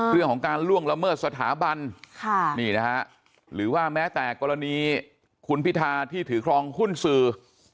เรื่องของการล่วงละเมิดสถาบันนี่นะฮะหรือว่าแม้แต่กรณีคุณพิธาที่ถือครองหุ้นสื่อ